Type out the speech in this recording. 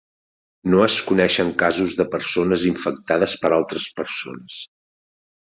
No es coneixen casos de persones infectades per altres persones.